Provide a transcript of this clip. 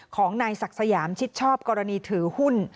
ของนายศักดิ์สยามชิดชอบกรณีถือหุ้น